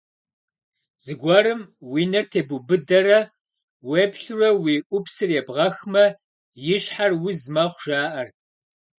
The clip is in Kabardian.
Зыгуэрым уи нэр тебубыдэрэ уеплъурэ уи ӏупсыр ебгъэхмэ, и щхьэр уз мэхъу, жаӏэрт.